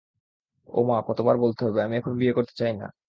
ও মা কতবার বলতে হবে, - আমি এখন বিয়ে করতে চাই না।